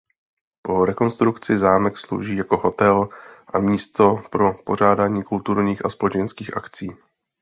Po rekonstrukci zámek slouží jako hotel a místo pro pořádání kulturních a společenských akcí.